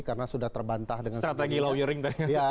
karena sudah terbantah dengan strategi lawyering